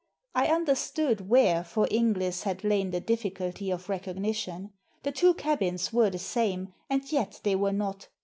I under stood where, for Inglis, had lain the difficulty of recognition. The two cabins were the same, and yet were not.